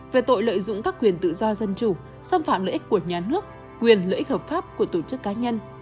về tội lợi dụng các quyền tự do dân chủ xâm phạm lợi ích của nhà nước quyền lợi ích hợp pháp của tổ chức cá nhân